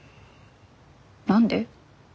何で？